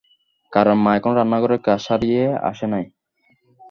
কারণ মা এখন রান্নাঘরের কাজ সারিয়া আসে নাই।